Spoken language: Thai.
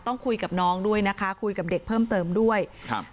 ต้องคุยกับน้องด้วยนะคะคุยกับเด็กเพิ่มเติมด้วยครับ